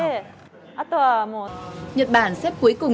nhật bản xếp cuối cùng trong số các quốc gia thuộc tổ chức